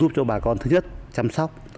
giúp cho bà con thứ nhất chăm sóc